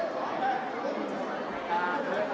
สวัสดีครับ